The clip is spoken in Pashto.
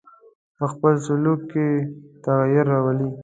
په خپل سلوک کې تغیر راولي.